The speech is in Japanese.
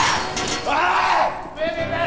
おい！